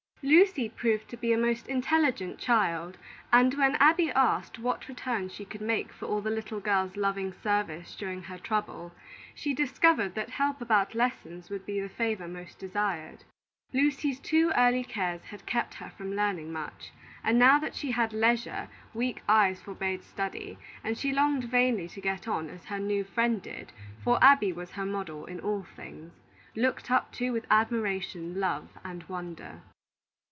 Lucy proved to be a most intelligent child; and when Abby asked what return she could make for all the little girl's loving service during her trouble, she discovered that help about lessons would be the favor most desired. Lucy's too early cares had kept her from learning much, and now that she had leisure, weak eyes forbade study, and she longed vainly to get on as her new friend did; for Abby was her model in all things, looked up to with admiration, love, and wonder.